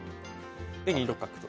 で２六角と。